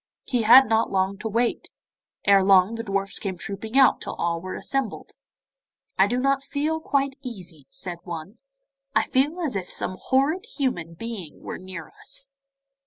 He had not long to wait. Ere long the dwarfs came trooping out till all were assembled. 'I don't feel quite easy,' said one; 'I feel as if some horrid human being were near us.